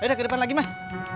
ayo deh ke depan lagi mas